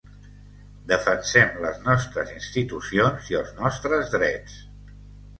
Defensem les nostres institucions i els nostres drets.